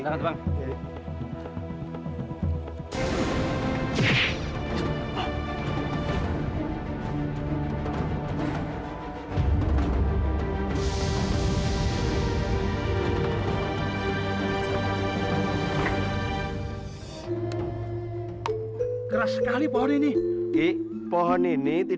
masa ini aku sudah berhenti